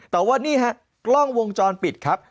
แต่ว่านี่ฮะกล้องวงจรปิดครับ